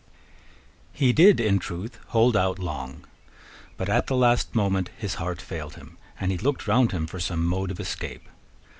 He did in truth hold out long. But at the last moment his heart failed him, and he looked round him for some mode of escape.